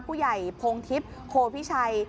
ผู้ใหญ่พงทิพย์โพพิชัย